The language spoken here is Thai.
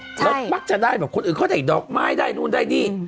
แล้วมักจะได้แบบคนอื่นเขาได้ดอกไม้ได้นู่นได้นี่